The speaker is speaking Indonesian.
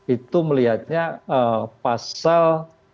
itu melihatnya pasal tiga ratus sepuluh